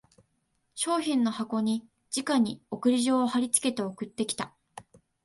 商品の箱にじかに送り状を張りつけて送ってきた